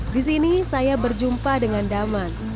di sini saya berjumpa dengan daman